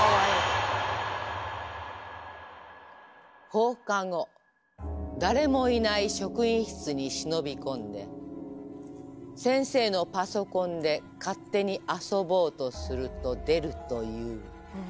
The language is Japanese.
放課後誰もいない職員室に忍び込んで先生のパソコンで勝手に遊ぼうとすると出るという。